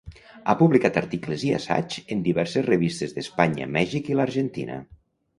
Ha publicat articles i assaigs en diverses revistes d'Espanya, Mèxic i l'Argentina.